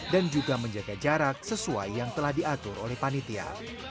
dan juga menjaga jarak sesuai yang telah diatur oleh panitia